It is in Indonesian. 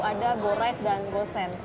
baru ada goride dan gosend